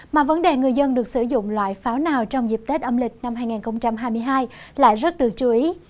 mà vấn đề người dân được sử dụng loại pháo nào trong dịp tết âm lịch năm hai nghìn hai mươi hai lại rất được chú ý